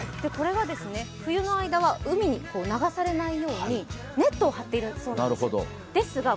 これは冬の間は海に流されないようにネットを張っているそうです。